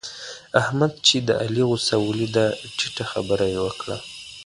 احمد چې د علي غوسه وليده؛ ټيټه خبره يې وکړه.